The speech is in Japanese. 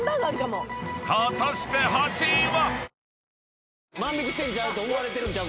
［果たして８位は⁉］